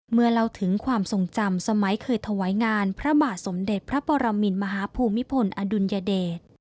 เมื่อเล่าถึงความทรงจำสมัยเคยถวายงานพระบาทสมเด็จพระปรมินมหาภูมิพลอดุลยเดช